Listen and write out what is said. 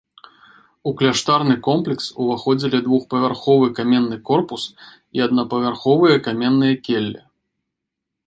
У кляштарны комплекс уваходзілі двухпавярховы каменны корпус і аднапавярховыя каменныя келлі.